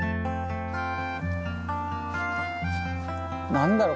何だろう